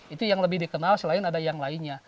itu yang lebih dikenal selain ada yang lainnya